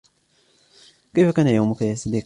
كيف كان يومك يا صديقي